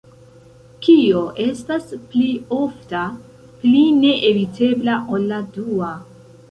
Kio estas pli ofta, pli neevitebla ol la dua?